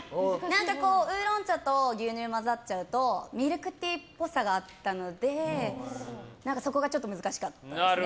ウーロン茶と牛乳が混ざっちゃうとミルクティーっぽさがあったのでそこがちょっと難しかったですね。